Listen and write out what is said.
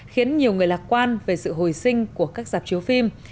khiến nhiều người lạc quan về sự hồi sinh của các dạp chiếu phim